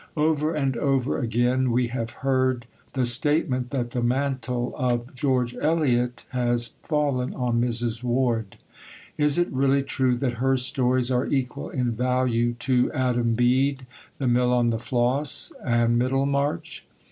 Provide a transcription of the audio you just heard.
Over and over again we have heard the statement that the "mantle" of George Eliot has fallen on Mrs. Ward. Is it really true that her stories are equal in value to Adam Bede, The Mill on the Floss, and Middlemarch?